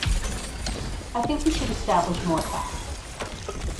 I think we should establish more facts.